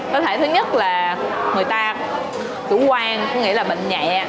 có thể thứ nhất là người ta tử quan cũng nghĩ là bệnh nhẹ